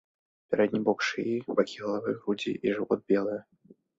Пярэдні бок шыі, бакі галавы, грудзі і жывот белыя.